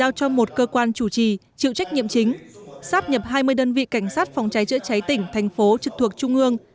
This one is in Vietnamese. cơ cấu tổ chức bộ máy bộ công an cho một cơ quan chủ trì chịu trách nhiệm chính sắp nhập hai mươi đơn vị cảnh sát phòng cháy chữa cháy tỉnh thành phố trực thuộc trung ương